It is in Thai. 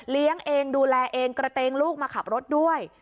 เลี้ยงเองดูแลเองกระเตงลูกมาขับรถด้วย